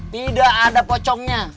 tidak ada pocongnya